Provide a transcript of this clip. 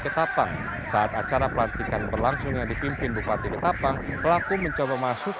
ketapang saat acara pelantikan berlangsung yang dipimpin bupati ketapang pelaku mencoba masuk